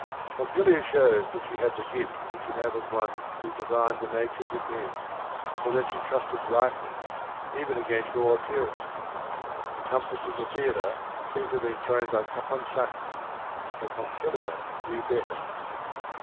Pompilia shows that she had the gift which enables one to divine the natures of men, so that she trusted rightly even against all appearances. The comfits at the theatre seemed to have been thrown by Caponsacchi, but Pompilia knew better.